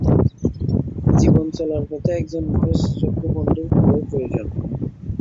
জীবনে চলার পথে একজন ভরসাযোগ্য বন্ধুর খুবই প্রয়োজন।